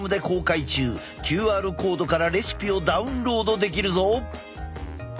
ＱＲコードからレシピをダウンロードできるぞ！